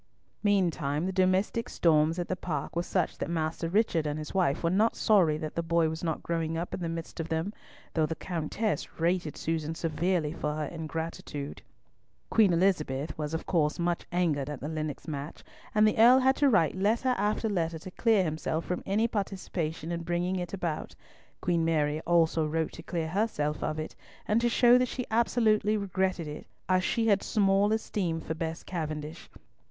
Meantime the domestic storms at the park were such that Master Richard and his wife were not sorry that the boy was not growing up in the midst of them, though the Countess rated Susan severely for her ingratitude. Queen Elizabeth was of course much angered at the Lennox match, and the Earl had to write letter after letter to clear himself from any participation in bringing it about. Queen Mary also wrote to clear herself of it, and to show that she absolutely regretted it, as she had small esteem for Bess Cavendish.